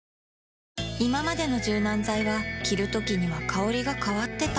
いままでの柔軟剤は着るときには香りが変わってた